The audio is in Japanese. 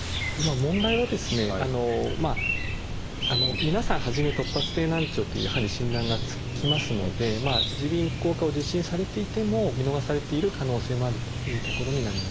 問題は皆さん初め突発性難聴というやはり診断がつきますので耳鼻咽喉科を受診されていても見逃されている可能性もあるというところになりますね。